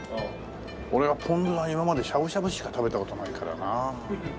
俺はポン酢は今までしゃぶしゃぶしか食べた事ないからな。